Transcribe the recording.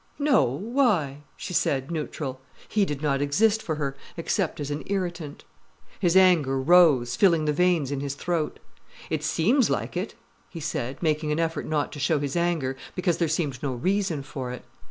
"No, why?" she said neutral. He did not exist for her, except as an irritant. His anger rose, filling the veins in his throat. "It seems like it," he said, making an effort not to show his anger, because there seemed no reason for it.